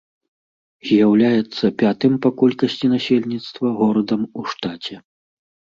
З'яўляецца пятым па колькасці насельніцтва горадам у штаце.